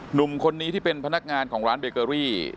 หนุ่มคนนี้ที่เป็นพนักงานของร้านเบเกอรี่